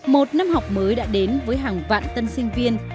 một năm học mới đã đến với hàng vạn tân sinh viên